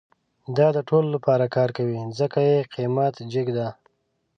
دا د ټولو لپاره کار کوي، ځکه یې قیمت جیګ ده